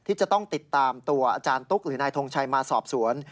ที่จะต้องติดตามตัวอาจารย์ตุ๊กหรือนายทงชัยมาสอบสวน